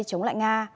chống lại nga